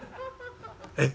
「えっ？」。